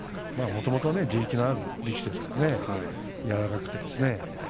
もともと地力のある力士ですからね、柔らかくてね。